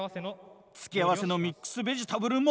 付け合わせのミックスベジタブルも！